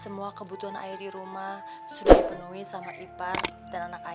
semua kebutuhan saya di rumah sudah dipenuhi sama ipar dan anak saya